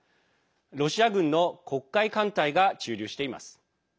ロシア軍の黒海艦隊が駐留しています。